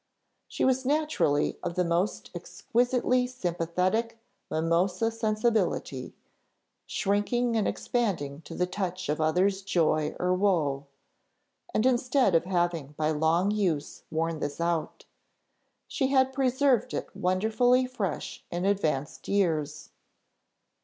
She was naturally of the most exquisitely sympathetic mimosa sensibility, shrinking and expanding to the touch of others' joy or woe; and instead of having by long use worn this out, she had preserved it wonderfully fresh in advanced years.